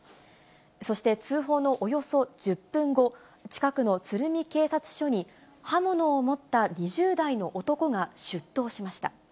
そして通報のおよそ１０分後、近くの鶴見警察署に、刃物を持った２０代の男が出頭しました。